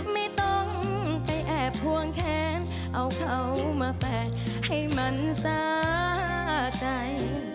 ไม่ต้องไปแอบพวงแค้นเอาเขามาแฝดให้มันสาใจ